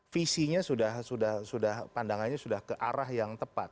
visinya sudah pandangannya sudah kearah yang tepat